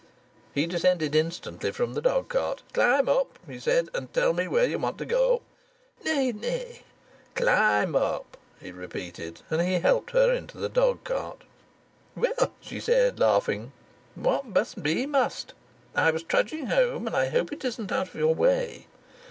He descended instantly from the dogcart. "Climb up," he said, "and tell me where you want to go to." "Nay, nay." "Climb up," he repeated, and he helped her into the dogcart. "Well," she said, laughing, "what must be, must. I was trudging home, and I hope it isn't out of your way."